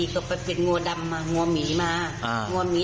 ใช่